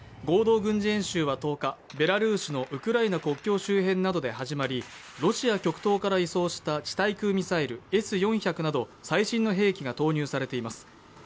合同軍事演習は１０日、ベラルーシのウクライナ国境周辺などで始まりロシア極東から移送した地対空ミサイルＳ４００など最新の兵器が投入されています。